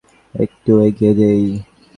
সে বলিল, না খুকি, তোমাকে আর একটু এগিয়ে দিই?